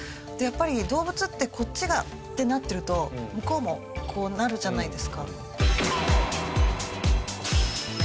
やっぱり動物ってこっちがってなってると向こうもこうなるじゃないですか。